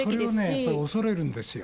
それを恐れるんですよ。